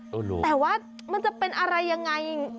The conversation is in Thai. แต่ว่ามันจะเป็นอะไรยังไง